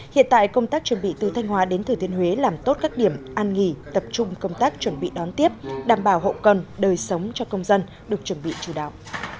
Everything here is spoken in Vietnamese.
hiện tại công tác chuẩn bị từ thanh hóa đến thừa thiên huế làm tốt các điểm an nghỉ tập trung công tác chuẩn bị đón tiếp đảm bảo hậu cần đời sống cho công dân được chuẩn bị chỉ đạo